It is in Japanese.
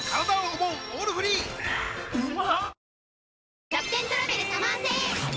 うまっ！